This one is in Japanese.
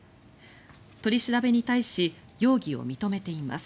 取り調べに対し容疑を認めています。